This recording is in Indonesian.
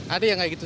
ada yang kayak gitu